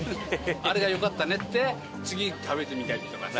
あれが良かったねって次食べてみたりとかさ。